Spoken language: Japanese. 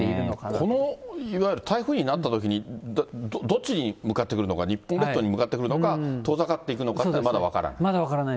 このいわゆる台風になったときに、どっちに向かってくるのか、日本列島に向かってくるのか、遠ざかっていくのかってまだ分からない？